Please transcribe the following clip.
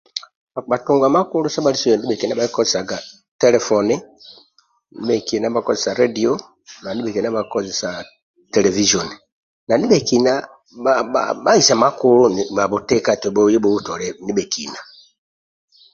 Bhakpa tunga makulu sebhalisio ndibhekina bhakikozesaga telefoni ndibhekina bhakozesa ledio ndibhekina bhakozesa televizoni na ndibhekina bhaisa makuku eti bhuye bhubhutolie ndibhekina